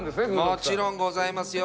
もちろんございますよ。